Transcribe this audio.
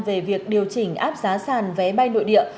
về việc điều chỉnh áp giá sàn vé bay nội địa